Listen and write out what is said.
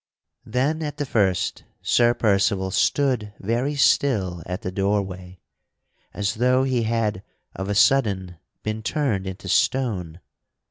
Then at the first Sir Percival stood very still at the door way as though he had of a sudden been turned into stone.